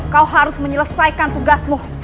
kau harus menyelesaikan tugasmu